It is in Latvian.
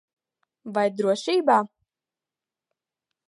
Vai drošībā?